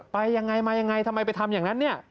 ไปอย่างไรมาอย่างไรทำไมไปทำอย่างนั้น